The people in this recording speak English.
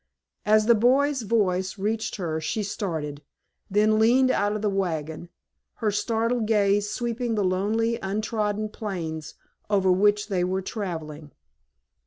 As the boy's voice reached her she started, then leaned out of the wagon, her startled gaze sweeping the lonely untrodden plains over which they were traveling.